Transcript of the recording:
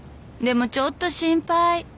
「でもちょっと心配」